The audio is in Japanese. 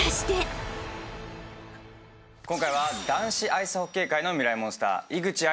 今回は男子アイスホッケー界のミライ☆モンスター井口藍